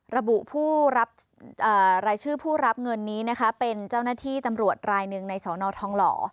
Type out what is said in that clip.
ระบุผู้รับรายชื่อผู้รับเงินนี้นะคะเป็นเจ้าหน้าที่ตำรวจรายหนึ่งในสนทองหล่อ